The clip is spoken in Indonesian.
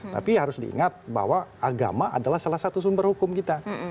tapi harus diingat bahwa agama adalah salah satu sumber hukum kita